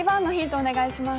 お願いします。